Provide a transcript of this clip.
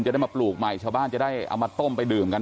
จะได้มาปลูกใหม่ชาวบ้านจะได้เอามาต้มไปดื่มกัน